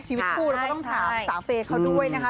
ชีวิตกูังไม่ต้องถามสาเฟศ์เขาด้วยนะคะ